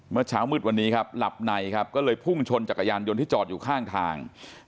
เมื่อเช้ามืดวันนี้ครับหลับในครับก็เลยพุ่งชนจักรยานยนต์ที่จอดอยู่ข้างทาง